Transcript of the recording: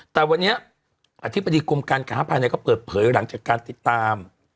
แต่วันนี้อธิบดีกรมการค้าภายในก็เปิดเผยหลังจากการติดตาม